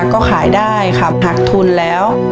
ก็ขายได้ขับหักทุนแล้ว